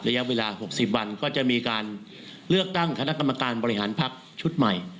ระยะเวลา๖๐วันก็จะมีการเลือกตั้งคณะกรรมการบริหารพักชุดใหม่